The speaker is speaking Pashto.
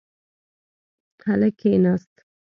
هلک کښېناست.